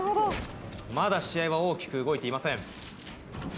まだ試合は大きく動いていません。